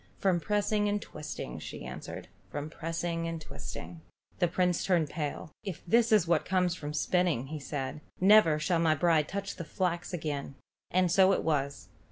"From pressing and twisting," she answered. "From pressing and twisting." The Prince turned pale. "If this is what comes of spinning," said he, "never shall my bride touch the flax again." And so it was.